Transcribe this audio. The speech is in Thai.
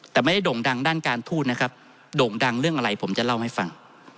แต่ไม่ได้โด่งดังด้านการทูตนะครับโด่งดังเรื่องอะไรผมจะเล่าให้ฟัง